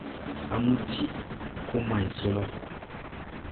A mo tiʼ ko may so la.